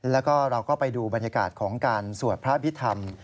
แล้วก็เราก็ไปดูบรรยากาศของการสวดพระอภิษฐรรม